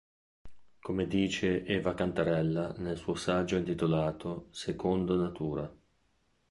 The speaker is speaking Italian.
Come dice Eva Cantarella nel suo saggio intitolato "Secondo natura.